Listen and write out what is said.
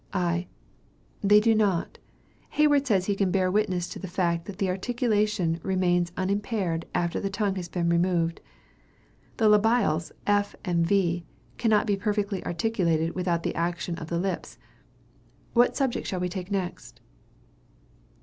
I. They do not. Hayward says he can bear witness to the fact that the articulation remains unimpaired after the tongue has been removed. The labials, f and v, cannot be perfectly articulated without the action of the lips. What subject shall we take next?